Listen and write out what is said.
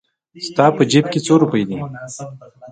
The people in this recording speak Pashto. ستا په جېب کې څو روپۍ دي؟